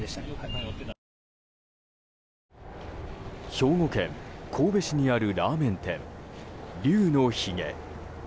兵庫県神戸市にあるラーメン店龍の髭。